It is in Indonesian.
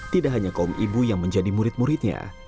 tidak hanya kaum ibu yang menjadi murid muridnya